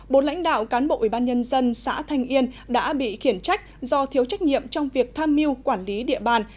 bốn lãnh đạo cán bộ ubnd xã thanh yên đã bị khiển trách do thiếu trách nhiệm trong việc tham mưu quản lý địa bàn